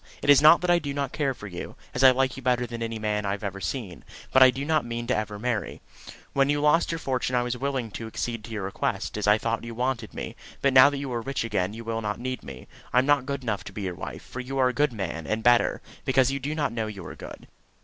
It is not that I do not care for you, as I like you better than any man I have ever seen; but I do not mean ever to marry. When you lost your fortune I was willing to accede to your request, as I thought you wanted me; but now that you are rich again you will not need me. I am not good enough to be your wife, for you are a good man; and better, because you do not know you are good.